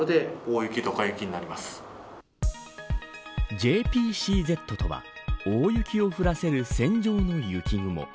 ＪＰＣＺとは大雪を降らせる線状の雪雲。